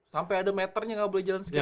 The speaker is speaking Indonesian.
sampai ada meternya gak boleh jalan sekian meter